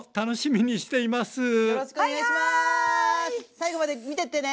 最後まで見てってね。